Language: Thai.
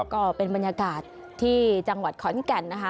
ก็เป็นบรรยากาศที่จังหวัดขอนแก่นนะคะ